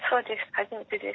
初めてです。